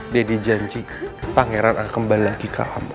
daddy janji pangeran akan kembali lagi ke kamu